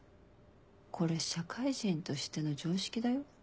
これ社会人としての常識だよ。